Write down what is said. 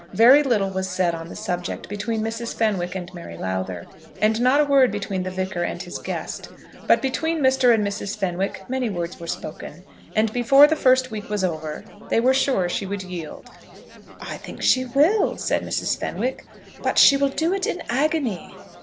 Very little was said on the subject between Mrs. Fenwick and Mary Lowther, and not a word between the Vicar and his guest; but between Mr. and Mrs. Fenwick many words were spoken, and before the first week was over they were sure that she would yield. "I think she will," said Mrs. Fenwick; "but she will do it in agony."